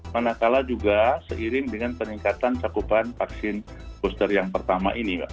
manakala juga seiring dengan peningkatan cakupan vaksin booster yang pertama ini